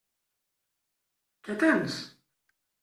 Què tens?